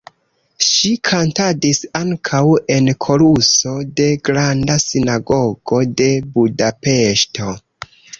Ŝi kantadis ankaŭ en koruso de Granda Sinagogo de Budapeŝto.